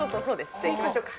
じゃあ、いきましょうか。